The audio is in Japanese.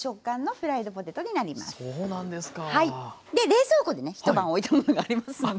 で冷蔵庫でね一晩おいたものがありますので。